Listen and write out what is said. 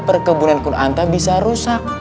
perkebunan kur anta bisa rusak